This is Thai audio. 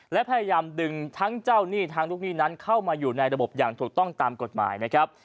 และพยายามดึงทั้งเจ้าหนี้ทั้งลูกหนี้นั้นเข้ามาอยู่ในระบบอย่างถูกต้องตามกฎหมายนะครับ